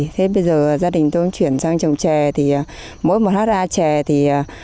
thế bây giờ gia đình tôi cũng chuyển sang trồng trè thì mỗi một hát ra trè thì